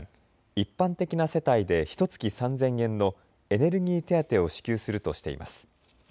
一般的な世帯でひとつき３０００円のエネルギー手当を支給するとしています。